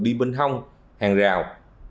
đi bên hông hàng rào